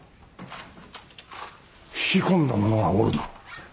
引き込んだ者がおるな。